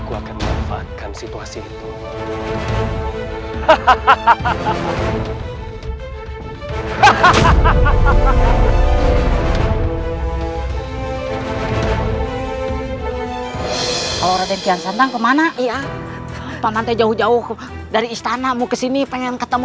orang orang yang senang kemana iya pamante jauh jauh dari istanamu kesini pengen ketemu